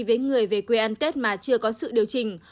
với người về quê ăn tết mà chưa có sự điều chỉnh